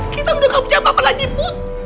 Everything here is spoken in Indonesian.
kita udah gak punya apa apa lagi bu